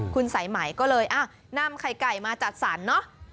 คุณสายไหมก็เลยนำไข่ไก่มาจัดสรรเนอะ